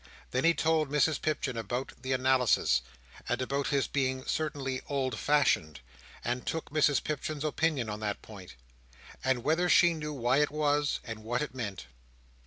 Then he told Mrs Pipchin about the analysis, and about his being certainly old fashioned, and took Mrs Pipchin's opinion on that point, and whether she knew why it was, and what it meant.